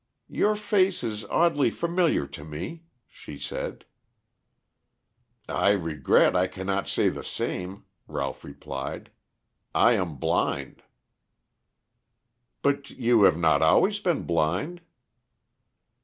"Your face is oddly familiar to me," she said. "I regret I cannot say the same," Ralph replied. "I am blind." "But you have not always been blind?"